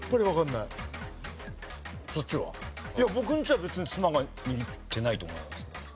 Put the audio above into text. いや僕んちは別に妻が握ってないと思いますね。